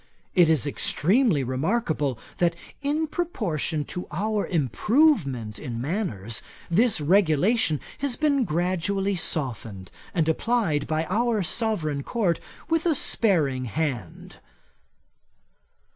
It is extremely remarkable, that in proportion to our improvement in manners, this regulation has been gradually softened, and applied by our sovereign Court with a sparing hand."